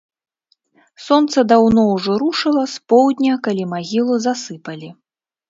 Сонца даўно ўжо рушыла з поўдня, калі магілу засыпалі.